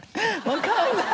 わかんない。